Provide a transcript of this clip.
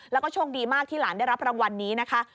แล้วก็โชคดีมากที่หลานได้รับรางวัลนี้นะคะ